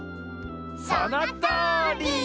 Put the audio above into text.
そのとおり！